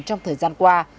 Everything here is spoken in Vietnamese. trong thời gian qua